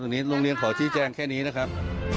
โรงเรียนขอชี้แจงแค่นี้นะครับ